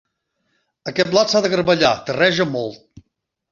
Aquest blat s'ha de garbellar: terreja molt.